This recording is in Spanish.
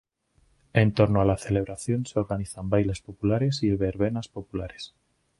En torno a la celebración se organizan bailes populares y verbenas populares.